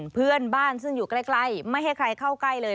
เพื่อนบ้านซึ่งอยู่ใกล้ไม่ให้ใครเข้าใกล้เลย